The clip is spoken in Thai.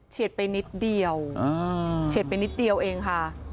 เฉียดไปนิดเดียวเองค่ะ